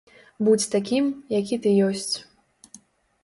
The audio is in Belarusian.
Будзь такім, які ты ёсць.